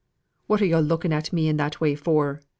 "What are yo' looking at me in that way for?"